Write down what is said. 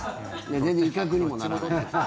全然、威嚇にもならない。